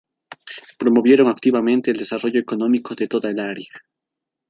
Promovieron activamente el desarrollo económico de toda el área.